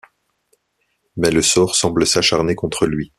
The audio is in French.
Mais le sort semble s'acharner contre lui.